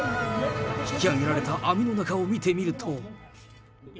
引き上げられた網の中を見ると。